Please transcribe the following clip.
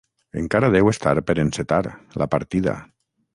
Encara deu estar per encetar... la partida!